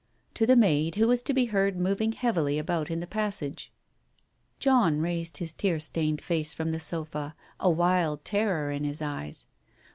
" to the maid, who was to be heard moving heavily about in the passage. John raised his tear stained face from the sofa, a wild terror in his eyes.